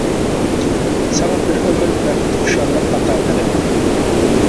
ساڭا بىر ئۆمۈر بەخت، خۇشاللىق ئاتا قىلىدۇ.